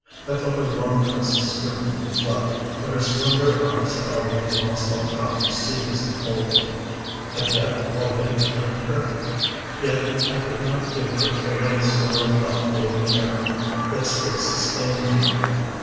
I felt her long tresses streaming in the flood, but her slender arms had already lost all power to seize and hold me. Had death already claimed her? Yet I could not give her the little store of life giving air that still sustained me.